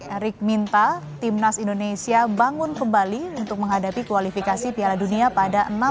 erik minta timnas indonesia bangun kembali untuk menghadapi kualifikasi piala dunia pada enam dan sebelas juni dua ribu dua puluh empat